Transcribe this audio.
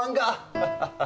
ハハハッ。